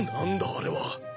あれは。